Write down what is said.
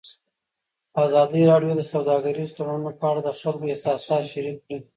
ازادي راډیو د سوداګریز تړونونه په اړه د خلکو احساسات شریک کړي.